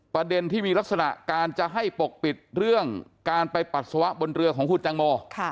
ประเด็นที่มีลักษณะการจะให้ปกปิดเรื่องการไปปัสสาวะบนเรือของคุณแตงโม